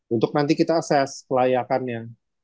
untuk nanti kita ases kelayakannya